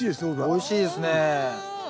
おいしいですね。